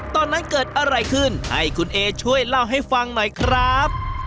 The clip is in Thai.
ตอนนั้นเกิดอะไรขึ้นให้คุณเอช่วยเล่าให้ฟังหน่อยครับ